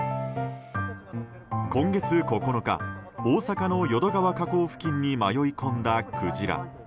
今月９日大阪の淀川河口付近に迷い込んだクジラ。